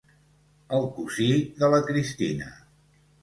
El cosí de la Cristina.